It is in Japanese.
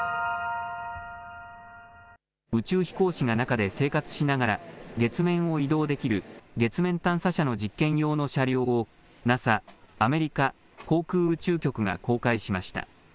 宇宙飛行士が中で生活しながら月面を移動できる、月面探査車の実験用の車両を、ＮＡＳＡ・アメリカ航空宇宙局が公開しました。